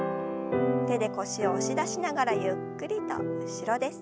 手で腰を押し出しながらゆっくりと後ろです。